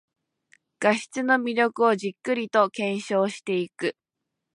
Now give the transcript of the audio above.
画質の魅力をじっくりと検証していく